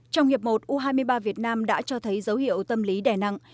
trong hiệp một u hai mươi ba việt nam đã cho thấy dấu hiệu tâm lý đẻ nặng